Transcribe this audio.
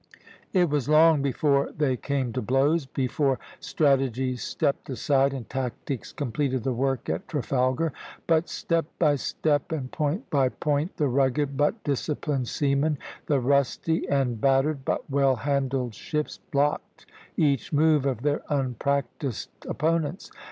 It was long before they came to blows, before strategy stepped aside and tactics completed the work at Trafalgar; but step by step and point by point the rugged but disciplined seamen, the rusty and battered but well handled ships, blocked each move of their unpractised opponents.